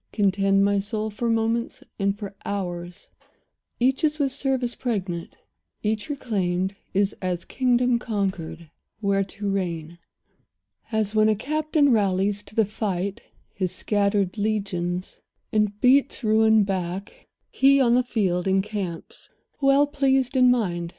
Contend, my soul, for moments and for hours; Each is with service pregnant; each reclaimed Is as a kingdom conquered, where to reign. As when a captain rallies to the fight His scattered legions, and beats ruin back, He, on the field, encamps, well pleased in mind.